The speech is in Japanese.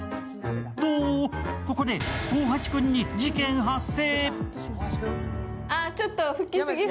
と、ここで大橋君に事件発生。